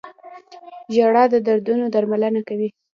• ژړا د دردونو درملنه کوي.